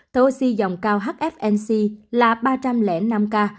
thở oxy dòng cao hfnc là ba trăm linh năm ca